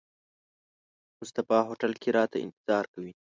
مصطفی هوټل کې راته انتظار کوي.